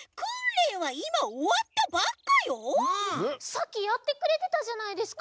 さっきやってくれてたじゃないですか。